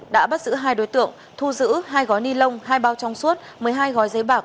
đã bắt giữ hai đối tượng thu giữ hai gói ni lông hai bao trong suốt một mươi hai gói giấy bạc